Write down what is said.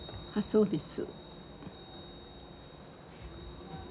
そうです。